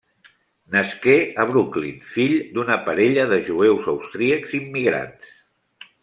Nasqué a Brooklyn, fill d'una parella de jueus austríacs immigrants.